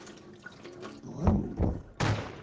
大門君。